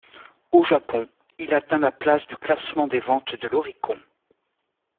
Au Japon, il atteint la place du classement des ventes de l'Oricon.